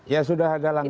ya sudah ada langkah